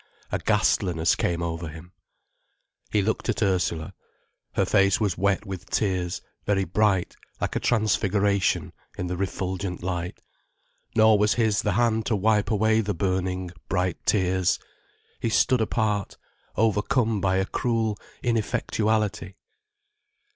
A ghastliness came over him. He looked at Ursula. Her face was wet with tears, very bright, like a transfiguration in the refulgent light. Nor was his the hand to wipe away the burning, bright tears. He stood apart, overcome by a cruel ineffectuality.